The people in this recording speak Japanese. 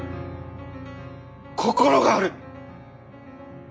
心がある！